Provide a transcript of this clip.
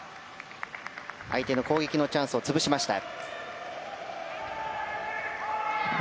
相手の攻撃のチャンスを潰しました。